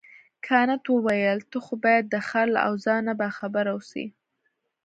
کانت وویل ته خو باید د ښار له اوضاع نه باخبره اوسې.